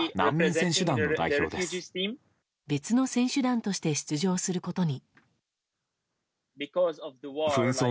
別の選手団として出場することに。